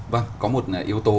vâng có một yếu tố